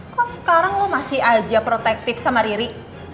kok sekarang lo masih aja protektif sama riri